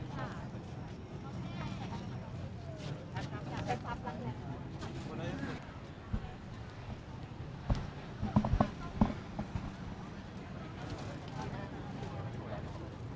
สวัสดีครับทุกคน